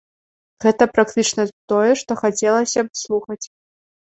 Гэта практычна тое, што хацелася б слухаць.